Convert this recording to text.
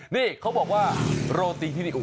นี่เขาบอกว่าโรตีที่นี่